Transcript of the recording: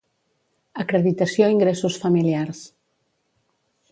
Acreditació ingressos familiars.